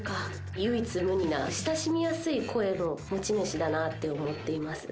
唯一無二な親しみやすい声の持ち主だなって思っています。